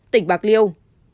chín tỉnh bạc liêu